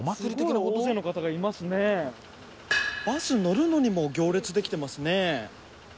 バス乗るのにも行列できてますね。